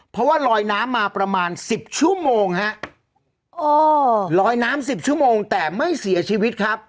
เพราะว่าลอยน้ำมาประมาณสิบชั่วโมงฮะโอ้ลอยน้ำสิบชั่วโมงแต่ไม่เสียชีวิตครับ